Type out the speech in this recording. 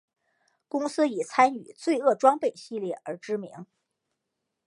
公司以参与罪恶装备系列而知名。